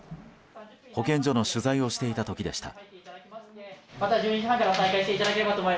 保健所の取材をしていた時でした。